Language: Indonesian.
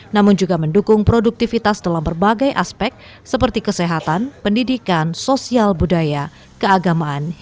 dalam hal mendukung pembangunan peranan bbm tidak hanya mendukung peningkatan perusahaan